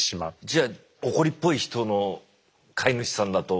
じゃ怒りっぽい人の飼い主さんだと。